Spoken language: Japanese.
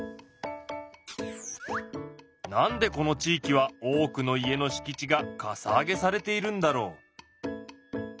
何でこの地域は多くの家のしき地がかさ上げされているんだろう？